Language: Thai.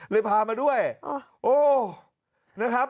พามาด้วยโอ้นะครับ